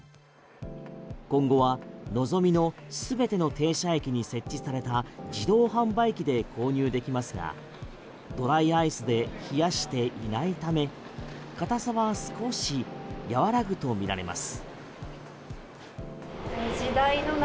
今後は、のぞみの全ての停車駅に設置された自動販売機で購入できますがドライアイスで冷やしていないため固さは少し和らぐとみられます。